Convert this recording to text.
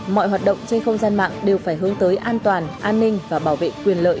mọi hoạt động trên không gian mạng đều phải hướng tới an toàn an ninh và bảo vệ quyền lợi